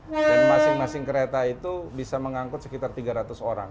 dan masing masing kereta itu bisa mengangkut sekitar tiga ratus orang